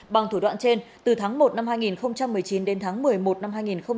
bằng thủ đoạn trên từ tháng một năm hai nghìn một mươi chín đến tháng một mươi một năm hai nghìn hai mươi